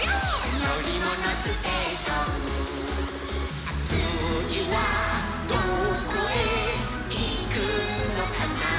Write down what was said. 「のりものステーション」「つぎはどこへいくのかな」